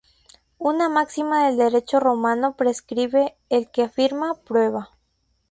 Una máxima del derecho romano prescribe: "el que afirma, prueba".